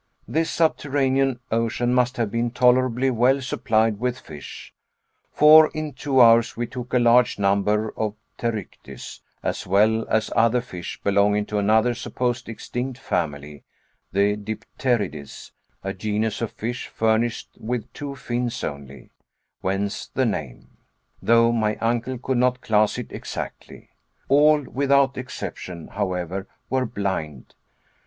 This subterranean ocean must have been tolerably well supplied with fish, for in two hours we took a large number of Pterychtis, as well as other fish belonging to another supposed extinct family the Dipterides (a genus of fish, furnished with two fins only, whence the name), though my uncle could not class it exactly. All, without exception, however, were blind.